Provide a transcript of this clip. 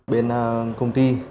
bên công ty